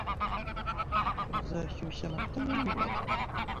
Uzashyushya amata, nyamuneka?